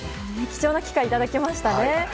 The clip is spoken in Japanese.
貴重な機会をいただきましたね。